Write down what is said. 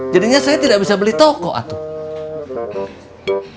jadinya saya tidak bisa beli toko atau